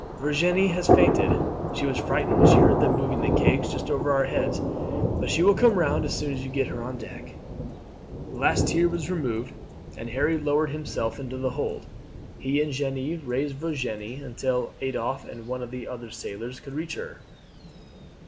Virginie has fainted; she was frightened when she heard them moving the kegs just over our heads; but she will come round as soon as you get her on deck." The last tier was removed, and Harry lowered himself into the hold; he and Jeanne raised Virginie until Adolphe and one of the other sailors could reach her.